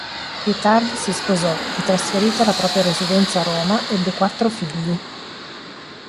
Più tardi si sposò e, trasferita la propria residenza a Roma, ebbe quattro figli.